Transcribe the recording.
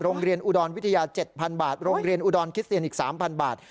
โรงเรียนอุดรคิสเตียนอีก๓๐๐๐บาท